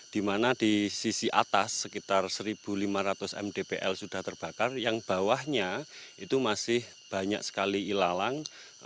di mana di sisi atas sekitar satu lima ratus mdpl sudah terbakar yang bawahnya itu masih banyak sekali ilalang